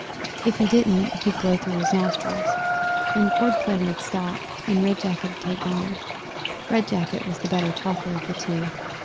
If he didn't, he'd blow through his nostrils. Then Cornplanter 'ud stop and Red Jacket 'ud take on. Red Jacket was the better talker of the two.